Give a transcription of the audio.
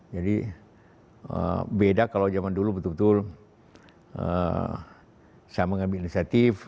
jadi beda kalau zaman dulu betul betul saya mengambil inisiatif